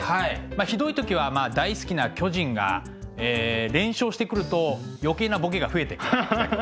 ひどい時はまあ大好きな巨人が連勝してくると余計なボケが増えてくみたいな。